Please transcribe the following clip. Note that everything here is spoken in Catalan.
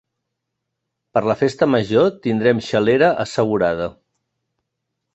Per la festa major tindrem xalera assegurada.